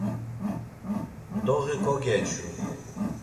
Doği kogeçu.